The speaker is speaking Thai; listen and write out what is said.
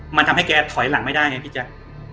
มันทำให้แกถอยหลังไม่ได้ไงพี่แจ๊ค